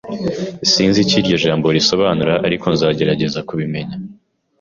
Sinzi icyo iryo jambo risobanura, ariko nzagerageza kubimenya